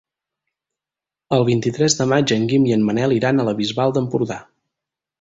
El vint-i-tres de maig en Guim i en Manel iran a la Bisbal d'Empordà.